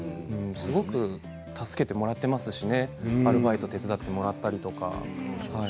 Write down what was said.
すごく助けてもらっていますしねアルバイトを手伝ってもらったり。